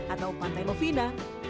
atau pantai lovina